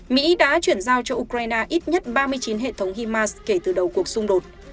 mỹ đã chuyển giao cho ukraine ít nhất ba mươi chín hệ thống himas kể từ đầu cuộc xung đột